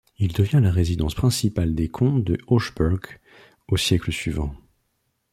Il devient la résidence principale des comtes de Hochberg au siècle suivant.